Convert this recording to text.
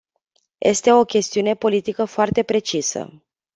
Este o chestiune politică foarte precisă.